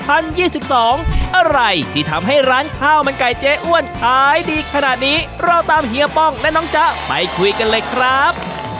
อะไรที่ทำให้ร้านข้าวมันไก่เจ๊อ้วนขายดีขนาดนี้เราตามเฮียป้องและน้องจ๊ะไปคุยกันเลยครับ